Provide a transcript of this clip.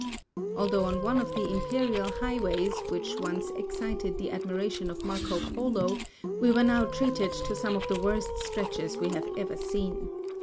Although on one of the imperial highways which once excited the admiration of Marco Polo, we were now treated to some of the worst stretches we have ever seen.